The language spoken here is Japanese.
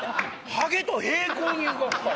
ハゲと平行に動くから。